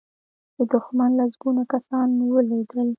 د دښمن لسګونه کسان ولوېدل.